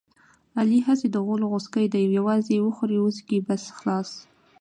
علي هسې د غولو غوڅکی دی یووازې وخوري وچکي بس خلاص.